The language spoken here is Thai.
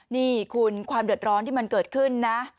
นี่คุณความเดือดร้อนที่มันเกิดขึ้นนะ